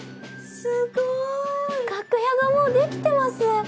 すごい！楽屋がもう出来てます！